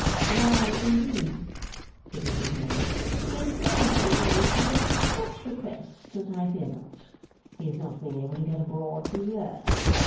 'Why, indeed,' said Mrs Merdle, 'he is so much engaged and in such request, that I fear not. He has not been able to get abroad for years.